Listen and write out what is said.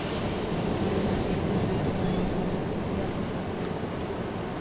Aun así, el juego tuvo muy buena acogida por parte del público.